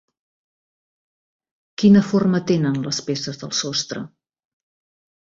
Quina forma tenen les peces del sostre?